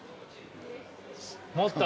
もっと。